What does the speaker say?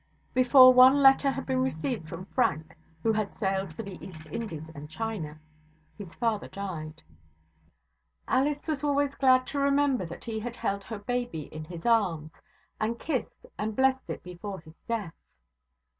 Before one letter had been received from Frank (who had sailed for the East Indies and China), his father died. Alice was always glad to remember that he had held her baby in his arms, and kissed and blessed it before his death.